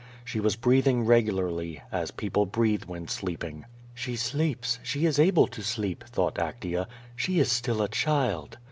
She was breathing regularly, as people breathe while sleeping. "She sleeps — she is able to sleep," thought Actea. "She is still a child."